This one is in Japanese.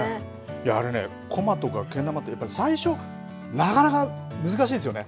あれねこまとかけん玉とかって最初なかなか難しいですよね。